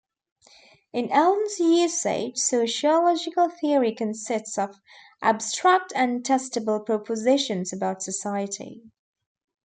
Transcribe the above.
In Allan's usage, sociological theory consists of abstract and testable propositions about society.